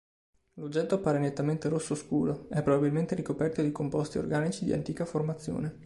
L'oggetto appare nettamente rosso scuro; è probabilmente ricoperto di composti organici di antica formazione.